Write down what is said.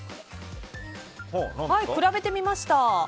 比べてみました。